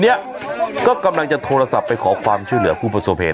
เนี่ยก็กำลังจะโทรศัพท์ไปขอความช่วยเหลือผู้ประสบเหตุ